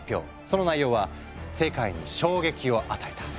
その内容は世界に衝撃を与えた。